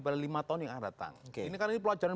pada lima tahun yang akan datang ini kan pelajaran